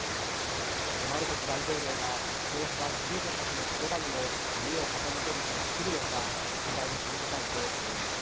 マルコス大統領がこうした犠牲者たちの言葉にも耳を傾ける日が来るのか取材を続けたいと思います。